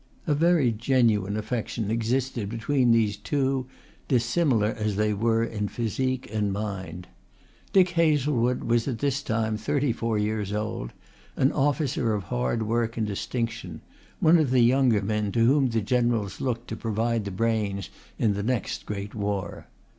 A very genuine affection existed between these two, dissimilar as they were in physique and mind. Dick Hazlewood was at this time thirty four years old, an officer of hard work and distinction, one of the younger men to whom the generals look to provide the brains in the next great war.